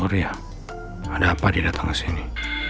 pak surya ada apa dia datang ke sini